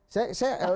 di tengah ya